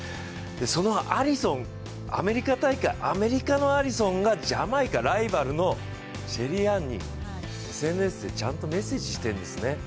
そのアリソン、アメリカ大会、アメリカのアリソンが、ジャマイカのシェリーアンにＳＮＳでちゃんとメッセージしてるんですね。